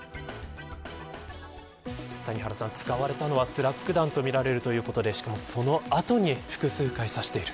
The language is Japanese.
谷原さん、使われたのはスラッグ弾とみられるということでしかもその後に複数回刺している。